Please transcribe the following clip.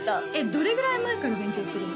どれぐらい前から勉強するの？